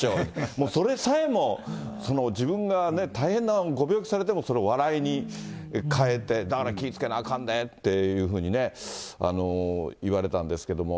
もうそれさえも、自分が大変なご病気されても、それを笑いに変えて、だから気ぃつけなあかんでって言われたんですけれども。